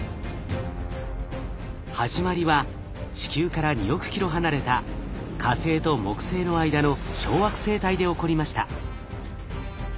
始まりは地球から２億キロ離れた火星と木星の間の小惑星帯で起こりました。